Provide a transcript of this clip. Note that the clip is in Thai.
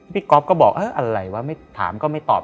ก๊อฟก็บอกอะไรวะไม่ถามก็ไม่ตอบ